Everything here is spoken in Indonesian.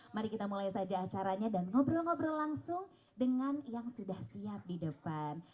mari kita mulai saja acaranya dan ngobrol ngobrol langsung dengan yang sudah siap di depan